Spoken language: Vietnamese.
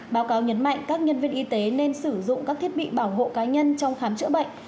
báo cáo nhấn mạnh các nhân viên y tế nên sử dụng các thiết bị bảo hộ cá nhân trong khám chữa bệnh